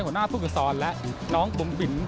หัวหน้าผู้ฝึกษรและน้องบุ๋มบิ๋ม